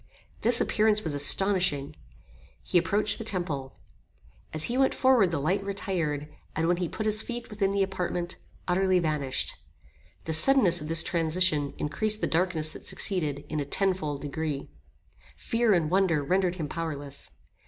This appearance was astonishing. He approached the temple. As he went forward the light retired, and, when he put his feet within the apartment, utterly vanished. The suddenness of this transition increased the darkness that succeeded in a tenfold degree. Fear and wonder rendered him powerless.